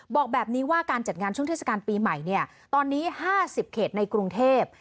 บอกแบบนี้ว่าการจัดงานช่วงเทศกาลปีใหม่เนี่ยตอนนี้๕๐เขตในกรุงเทพ